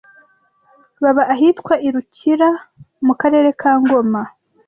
baba ahitwa i Rukira mu Karere ka Ngoma